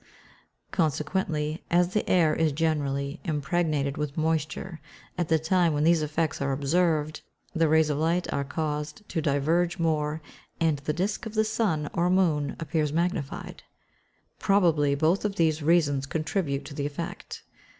Consequently, as the air is generally impregnated with moisture, at the time when these effects are observed, the rays of light are caused to diverge more, and the disc of the sun or moon appears magnified. Probably both of these reasons contribute to the effect.